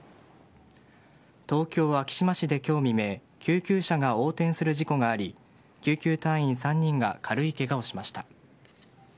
東京・昭島市で今日未明救急車が横転する事故があり救急隊員３人が軽いケガをしました。